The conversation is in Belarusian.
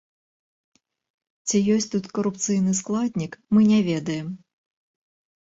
Ці ёсць тут карупцыйны складнік, мы не ведаем.